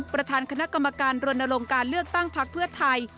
ประธานคณะกรรมการรณรงค์การเลือกตั้งพักเพื่อไทย